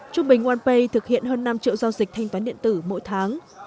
trung bình walpay thực hiện hơn năm triệu giao dịch thanh toán điện tử mỗi tháng